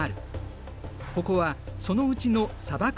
ここはそのうちの砂漠気候。